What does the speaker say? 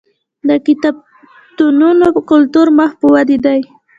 د کتابتونونو کلتور مخ په ودې دی.